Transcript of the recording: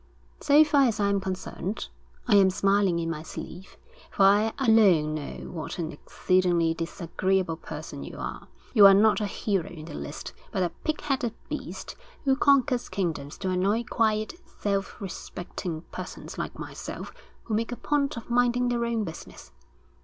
So far as I am concerned, I am smiling in my sleeve; for I alone know what an exceedingly disagreeable person you are. You are not a hero in the least, but a pig headed beast who conquers kingdoms to annoy quiet, self respecting persons like myself who make a point of minding their own business.